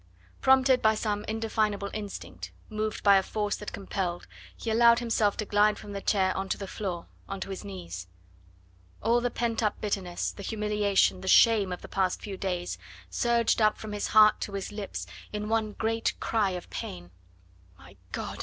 Prompted by some indefinable instinct, moved by a force that compelled, he allowed himself to glide from the chair on to the floor, on to his knees. All the pent up bitterness, the humiliation, the shame of the past few days, surged up from his heart to his lips in one great cry of pain. "My God!"